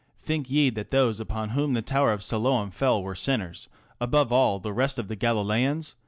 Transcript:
Think ye that those upon whom the Tower of Siloam fell were sinners above all the rest of the Galileans